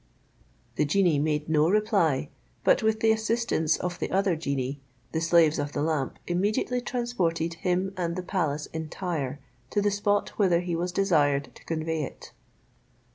The genie made no reply, but with the assistance of the other genii, the slaves of the lamp immediately transported him and the palace entire, to the spot whither he was desired to convey it.